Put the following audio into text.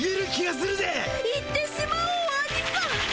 言ってしまおうアニさん。